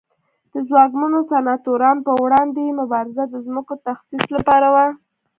د ځواکمنو سناتورانو پر وړاندې یې مبارزه د ځمکو تخصیص لپاره وه